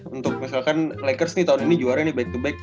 untuk misalkan lakers nih tahun ini juara nih back to back